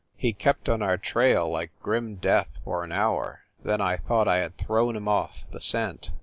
He kept on our trail like grim death for an hour, then I thought I had thrown him off the scent.